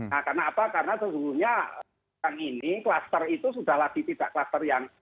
nah kenapa karena sejujurnya sekarang ini kluster itu sudah lagi tidak kluster yang